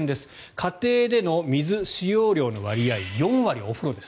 家庭での水使用量の割合４割、お風呂です。